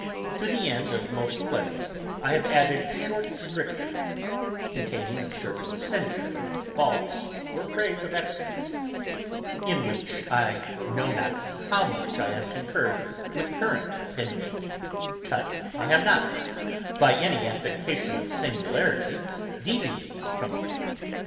To the end of most plays, I have added short strictures, containing a general censure of faults, or praise of excellence; in which I know not how much I have concurred with the current opinion; but I have not, by any affectation of singularity, deviated from it.